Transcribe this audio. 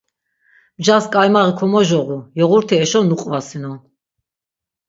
Mjas ǩaymaği komojoğu, yoğurti eşo nuqvasinon.